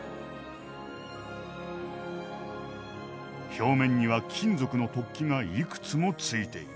表面には金属の突起がいくつもついている。